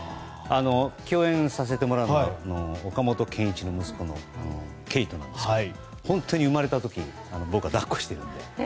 共演させてもらった岡本健一の息子の圭人なんですけど本当に生まれた時に僕は抱っこしているので。